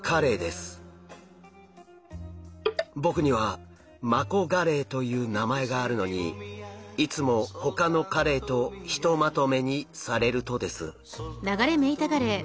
僕にはマコガレイという名前があるのにいつもほかのカレイとひとまとめにされるとです。